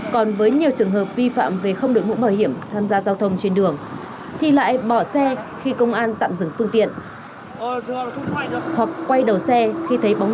còn với nhiều trường hợp vi phạm về không được mũ bảo hiểm tham gia giao thông trên đường